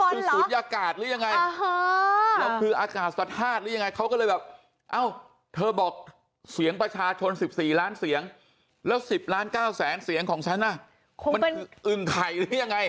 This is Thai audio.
คือศูนยากาศหรือยังไงแล้วคืออากาศสะธาตุหรือยังไงเขาก็เลยแบบเอ้าเธอบอกเสียงประชาชน๑๔ล้านเสียงแล้ว๑๐ล้าน๙แสนเสียงของฉันน่ะมันคืออึงไข่หรือยังไง